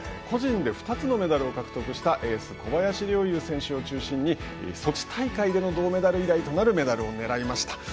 個人で２つのメダルを獲得したエース小林陵侑選手を中心にソチ大会での銅メダル以来となるメダルを狙いました。